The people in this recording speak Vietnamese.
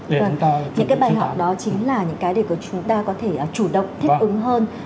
vâng những cái bài học đó chính là những cái để chúng ta có thể chủ động thích ứng hơn